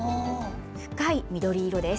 深い緑色です。